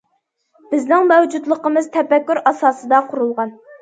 بىزنىڭ مەۋجۇتلۇقىمىز تەپەككۇر ئاساسىدا قۇرۇلغان.